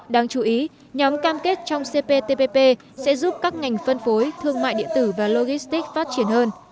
đáng chú ý nhóm cam kết trong cptpp sẽ giúp các ngành phân phối thương mại điện tử và logistics phát triển hơn